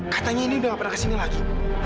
katanya ini udah gak pernah kesini lagi